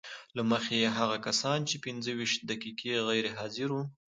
له مخې یې هغه کسان چې پنځه ویشت دقیقې غیر حاضر وو